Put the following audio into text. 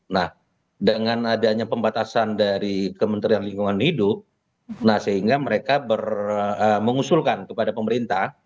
nah dengan adanya pembatasan dari kementerian lingkungan hidup nah sehingga mereka mengusulkan kepada pemerintah